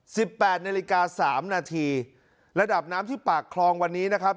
แปดนาฬิกาสามนาทีระดับน้ำที่ปากคลองวันนี้นะครับ